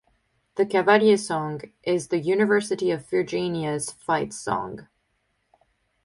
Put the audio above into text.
The Cavalier Song is the University of Virginia's fight song.